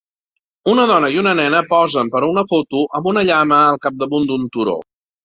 Una dona i una nena posen per a una foto amb una llama al capdamunt d'un turó.